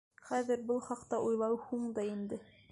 Хәҙер был хаҡта уйлау һуң да инде.